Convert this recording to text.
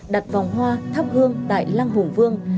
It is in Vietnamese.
đặt vòng hoa thắp hương tại lăng hùng vương